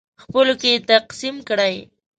خپلو کې یې تقسیم کړئ.